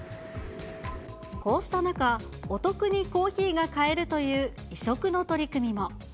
こうした中、お得にコーヒーが買えるという異色の取り組みも。